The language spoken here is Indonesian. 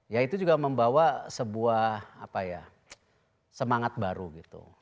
ya itu juga membawa sebuah semangat baru gitu